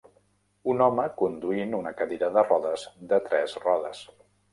Un home conduint una cadira de rodes de tres rodes.